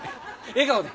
笑顔で。